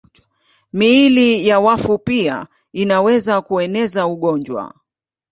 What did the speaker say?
Miili ya wafu pia inaweza kueneza ugonjwa.